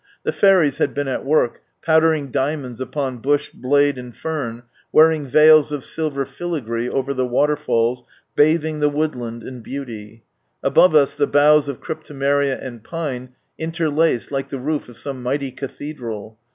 The fairies had been at work, powdering diamonds upon bush, blade, and fern, wearing veils of silver filagree, over the waterfalls, bathing the woodland in beauty. Above us the boughs of cryptomeria and pine interlaced like the roof of some mighty cathedral.